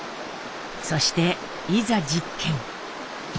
そしていざ実験。